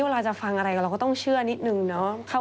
เวลาจะฟังอะไรกับเราก็ต้องเชื่อนิดนึงเนาะ